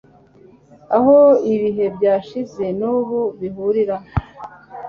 aho ibihe byashize nubu bihurira